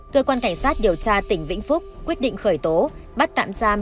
cơ quan cảnh sát điều tra tỉnh vĩnh phúc quyết định khởi tố bắt tạm giam